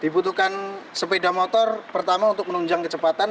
dibutuhkan sepeda motor pertama untuk menunjang kecepatan